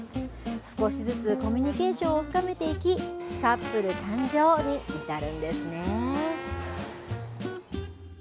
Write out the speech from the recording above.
少しずつコミュニケーションを深めていきカップル誕生に至るんですね。